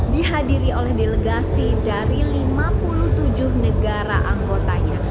dihadiri oleh delegasi dari lima puluh tujuh negara anggotanya